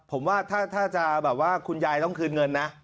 ผมว่าถ้าจะคุณยายต้องคืนเงินนะ